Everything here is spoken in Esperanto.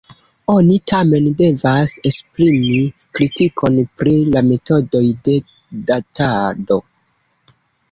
Oni, tamen, devas esprimi kritikon pri la metodoj de datado.